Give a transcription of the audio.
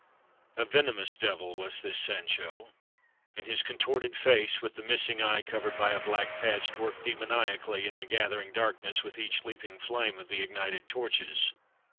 A venomous devil was this Sancho, and his contorted face, with the missing eye covered by a black patch, worked demoniacally in the gathering darkness with each leaping flame of the ignited torches.